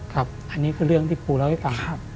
ครับอันนี้คือเรื่องที่ครูเล่าให้ฟังครับ